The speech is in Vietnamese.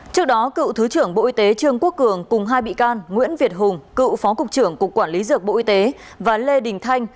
trước đó cựu thứ trưởng bộ y tế trương quốc cường cùng hai bị can nguyễn việt hùng cựu phó cục trưởng cục quản lý dược bộ y tế và lê đình thanh